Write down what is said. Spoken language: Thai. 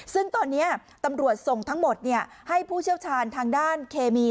ซึ่งตอนนี้ตำรวจส่งทั้งหมดให้ผู้เชี่ยวชาญทางด้านเคมี